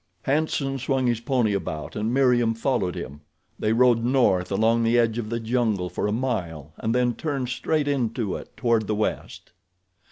Hanson swung his pony about and Meriem followed him. They rode north along the edge of the jungle for a mile and then turned straight into it toward the west.